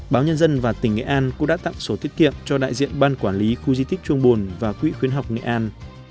báo nhân dân và tỉnh nghệ an cũng đã tặng sổ tiết kiệm cho đại diện ban quản lý khu di tích trung bồn và quỹ khuyến học nghệ an